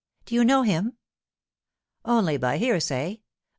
'Do you know him?' 'Only by hearsay.